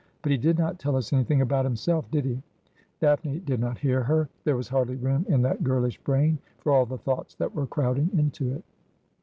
But he did not tell us anything about himself, did he ?' Daphne did not hear her. There was hardly room in that girlish brain for all the thoughts that were crowding into it.